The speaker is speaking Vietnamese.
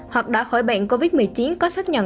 hoặc đã khỏi bệnh covid một mươi chín có xác nhận